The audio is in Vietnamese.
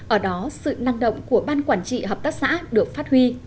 ở đó sự năng động của ban quản trị hợp tác xã được phát huy